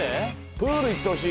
プールいってほしい。